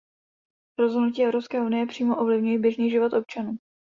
Rozhodnutí Evropské unie přímo ovlivňují běžný život občanů.